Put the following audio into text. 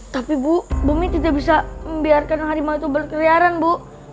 tapi bu bumi tidak bisa membiarkan harimau itu berkeliaran bu